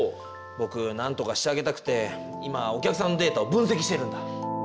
ぼくなんとかしてあげたくて今お客さんのデータを分析しているんだ。